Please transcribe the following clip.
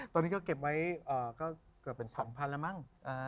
ตอนนี้ก็เก็บไว้ก็เกือบเป็น๒๐๐๐แล้วมั้ง